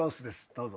どうぞ。